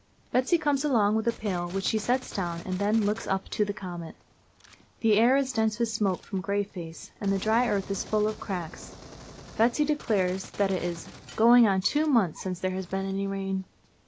Betsy comes along with a pail, which she sets down, and then looks up to the comet. The air is dense with smoke from Grayface, and the dry earth is full of cracks. Betsy declares that it is "going on two months since there has been any rain."